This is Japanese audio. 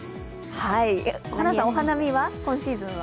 ホランさん、お花見は今シーズンは？